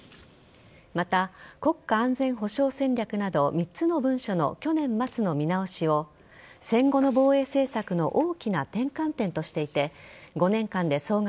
また、国家安全保障戦略など３つの文書の去年末の見直しを戦後の防衛政策の大きな転換点としていて５年間で総額